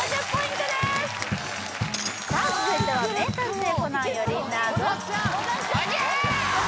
さあ続いては「名探偵コナン」より「謎」